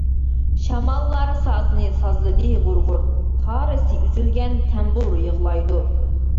شاماللار سازىنى سازلىدى غۇر-غۇر، تارىسى ئۈزۈلگەن تەمبۇر يىغلايدۇ.